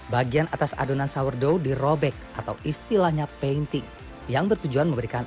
bagian atas adonan sourdow dirobek atau istilahnya painting yang bertujuan memberikan